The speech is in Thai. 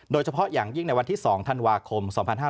โดยเฉพาะอย่างยิ่งวันที่๒ทานวาคม